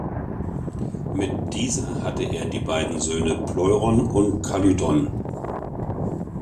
Mit dieser hatte er die beiden Söhne Pleuron und Kalydon.